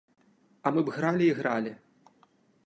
А мы б гралі і гралі.